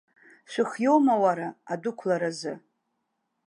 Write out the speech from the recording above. Шәыхиоума, уара, адәықәларазы?